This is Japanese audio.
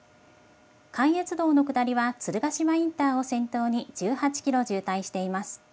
関越道の下りは鶴ヶ島インターを先頭に１８キロ渋滞しています。